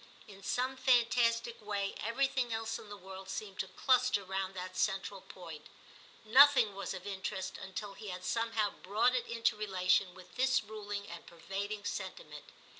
In some fantastic way every thing else in the world seemed to cluster round that central point ; nothing was of interest until he had somehow brought it into relation with this ruling and pervading sentiment.